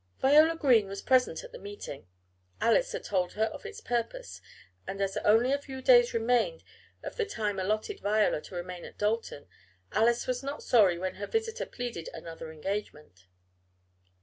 Viola Green was present at the meeting. Alice had told her of its purpose, and as only a few days remained of the time allotted Viola to remain at Dalton, Alice was not sorry when her visitor pleaded another engagement.